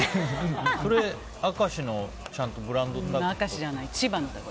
それ、明石のちゃんとブランドのタコ？